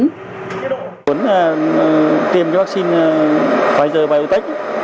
mong muốn là tiêm cái vắc xin pfizer biontech